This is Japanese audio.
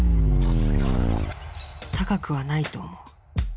高くはないと思う。